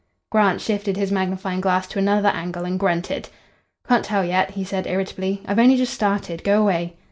Grant shifted his magnifying glass to another angle and grunted. "Can't tell yet," he said irritably. "I've only just started. Go away."